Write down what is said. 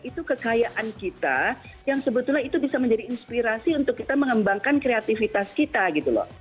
itu kekayaan kita yang sebetulnya itu bisa menjadi inspirasi untuk kita mengembangkan kreativitas kita gitu loh